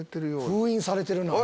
封印されてるな。